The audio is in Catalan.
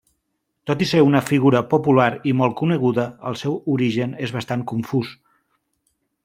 Tot i ser una figura popular i molt coneguda, el seu origen és bastant confús.